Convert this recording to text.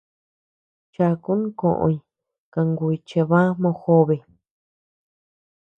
Chaku koʼoñ kangùy chebá mojobe.